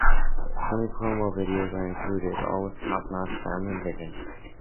Twenty promo videos are included, all with top-notch sound and vision.